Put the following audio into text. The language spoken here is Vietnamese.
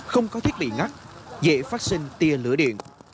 không có thiết bị ngắt dễ phát sinh tia lửa điện